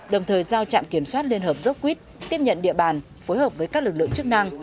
đồng thời giao trạm kiểm soát liên hợp dốc quýt tiếp nhận địa bàn phối hợp với các lực lượng chức năng